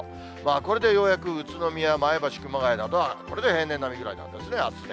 これでようやく宇都宮、前橋、熊谷などはこれで平年並みぐらいなんですね、あすで。